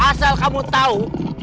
asal kamu tau